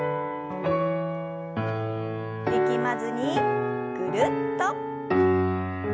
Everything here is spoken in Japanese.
力まずにぐるっと。